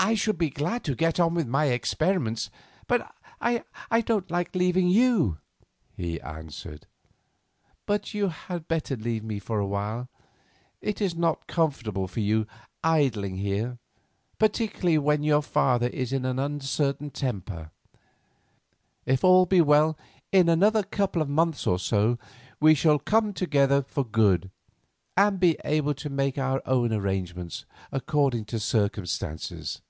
"I should be glad to get on with my experiments, but I don't like leaving you," he answered. "But you had better leave me for a while. It is not comfortable for you idling here, particularly when your father is in this uncertain temper. If all be well, in another couple of months or so we shall come together for good, and be able to make our own arrangements, according to circumstances.